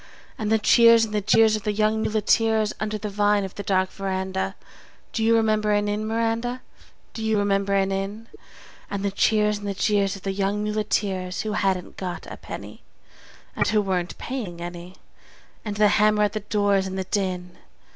And the cheers and the jeers of the young muleteers (Under the vine of the dark veranda)? Do you remember an Inn, Miranda, Do you remember an Inn? And the cheers and the jeers of the young muleteers Who hadn't got a penny, And who weren't paying any, And the hammer at the doors and the din?